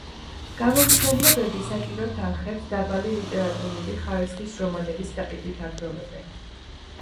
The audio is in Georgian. გამომცემლობები საჭირო თანხებს დაბალი ლიტერატურული ხარისხის რომანების გაყიდვით აგროვებენ.